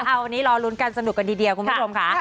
วันนี้รอลุ้นกันสนุกกันทีเดียวคุณผู้ชมค่ะ